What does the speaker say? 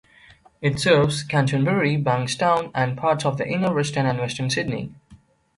It serves Canterbury-Bankstown and parts of the Inner West and Western Sydney.